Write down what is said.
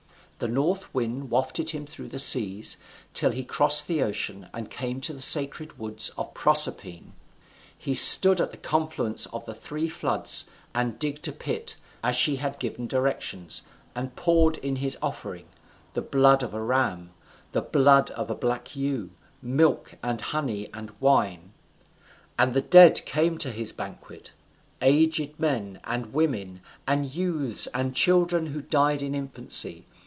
The north wind wafted him through the seas, till he crossed the ocean, and came to the sacred woods of Proserpine. He stood at the confluence of the three floods, and digged a pit, as she had given directions, and poured in his offering the blood of a ram, and the blood of a black ewe, milk, and honey, and wine; and the dead came to his banquet; aged men, and women, and youths, and children who died in infancy.